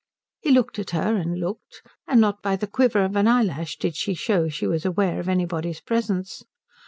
He looked at her, and looked, and not by the quiver of an eyelash did she show she was aware of anybody's presence.